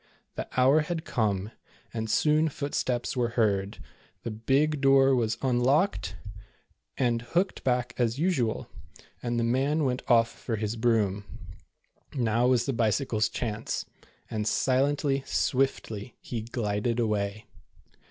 The hour had come, and soon foot steps were heard, the big door was unlocked, and 2 26 The Bold Bad Bicycle. hooked back as usual, and the man went off for his broom. Now was the Bicycle's chance, and silently, swiftly, he glided away.